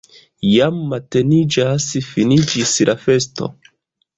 Jam mateniĝas, finiĝis la festo!